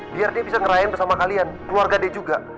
biar dia bisa ngerain bersama kalian keluarga dia juga